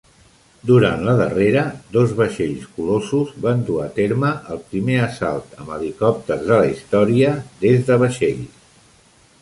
Durant la darrera, dos vaixells colossos van dur a terme el primer assalt amb helicòpters de la història des de vaixells.